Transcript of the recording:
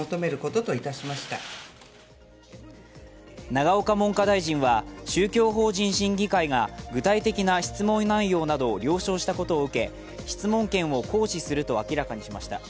永岡文科大臣は宗教法人審議会が具体的な質問内容などを了承したことを受け、質問権を行使すると明らかにしました。